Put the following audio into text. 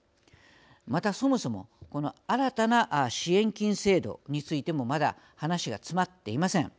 またそもそもこの新たな支援金制度についてもまだ話が詰まっていません。